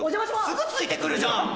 すぐついてくるじゃん！